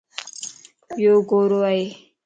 يو گوڙو ائي.